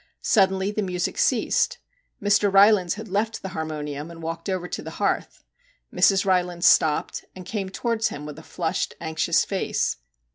Suddenly the music ceased. Mr. Rylands had left the harmonium and walked over to the hearth. Mrs. Rylands stopped, and came towards him with a flushed, anxious face.